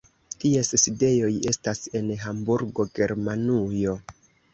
Ties sidejoj estas en Hamburgo, Germanujo.